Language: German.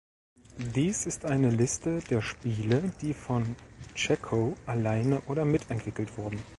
Dies ist eine Liste der Spiele, die von Cecco alleine oder mitentwickelt wurden.